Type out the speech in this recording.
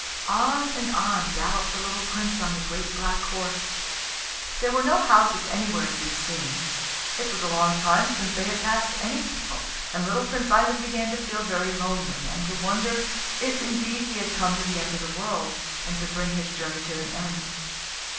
On and on galloped the little Prince on the great black horse. There were no houses anywhere to be seen. It was a long time since they had passed any people, and little Prince Ivan began to feel very lonely, and to wonder if indeed he had come to the end of the world, and could bring his journey to an end.